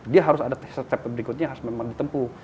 dia harus ada step step berikutnya harus memang ditempu